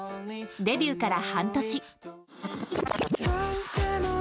デビューから半年。